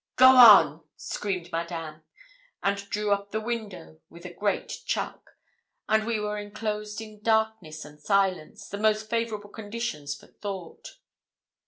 'Go on,' screamed Madame, and drew up the window with a great chuck; and we were enclosed in darkness and silence, the most favourable conditions for thought.